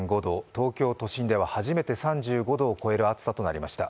東京都心では初めて３５度を超える暑さとなりました。